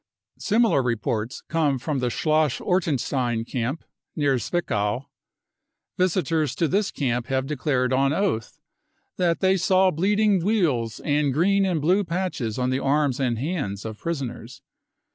Similar reports come from the Schloss Ortenstein camp near Zwickau. Visitors to this camp have declared bn oath that they saw bleeding weals and green and blue patches on the arms and hands of prisoners.